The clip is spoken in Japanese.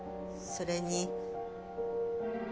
それに？